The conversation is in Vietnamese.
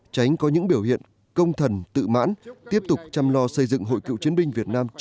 tránh có những biểu hiện công thần tự mãn tiếp tục chăm lo xây dựng hội cựu chiến binh việt nam